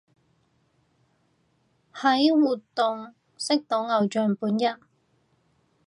喺活動識到偶像本人